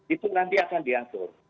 itu nanti akan diatur